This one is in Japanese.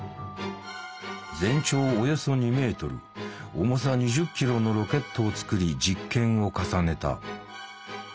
全長およそ２ｍ重さ２０ｋｇのロケットを作り実験を重ねた。